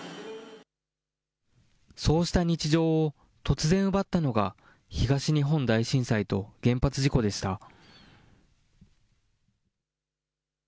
そうした日常を突然奪ったのが、東日本大震災と原発事故でした。